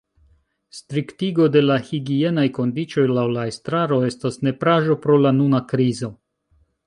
Striktigo de la higienaj kondiĉoj laŭ la estraro estas nepraĵo pro la nuna krizo.